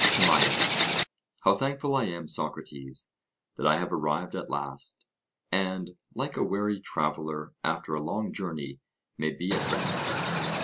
TIMAEUS: How thankful I am, Socrates, that I have arrived at last, and, like a weary traveller after a long journey, may be at rest!